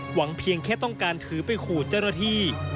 เพียงแค่ต้องการถือไปขู่เจ้าหน้าที่